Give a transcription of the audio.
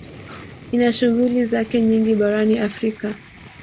Ina shughuli zake nyingi barani Afrika